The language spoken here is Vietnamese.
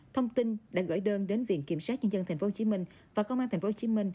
thông tin đã gửi đơn đến viện kiểm sát nhân dân tp hcm và công an tp hcm